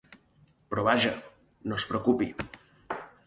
Però vaja, no es preocupi.